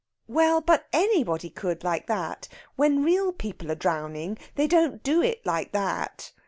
"Well, but anybody could like that. When real people are drowning they don't do it like that."